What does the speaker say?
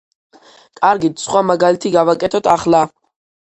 კარგით, სხვა მაგალითი გავაკეთოთ ახლა.